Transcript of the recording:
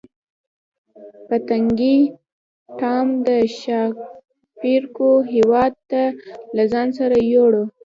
پتنګې ټام د ښاپیرکو هیواد ته له ځان سره یووړ.